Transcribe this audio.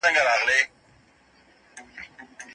انټرنېټ د معلوماتو چټک انتقال یقیني کوي.